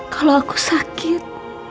kalau aku sakit